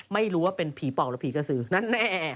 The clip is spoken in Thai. ไม่รู้ว่าเป็นผีเป่าหรือผีกระซื้อนั่นแน่